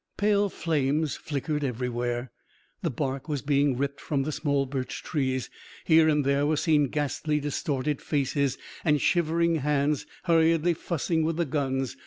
Pale flames flickered everywhere; the bark was being ripped from the small birch trees; here and there were seen ghastly distorted faces and shivering hands hurriedly fussing with the guns.